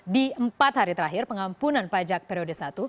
di empat hari terakhir pengampunan pajak periodis i